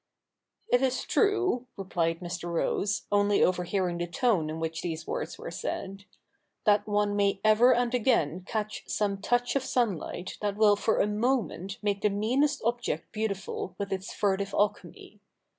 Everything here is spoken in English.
' It is true,' replied Mr. Rose, only overhearing the tone in which these words were said, ' that one may ever and again catch some touch of sunlight that will for a i84 THE NEW REPUBLIC [rk. iv moment make the meanest object beautiful with its furtive alchemy.